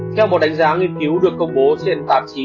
theo một đánh giá nghiên cứu được công bố trên tạp chí